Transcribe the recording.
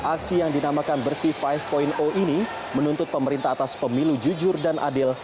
aksi yang dinamakan bersih lima ini menuntut pemerintah atas pemilu jujur dan adil